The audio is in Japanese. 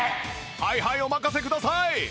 はいはいお任せください！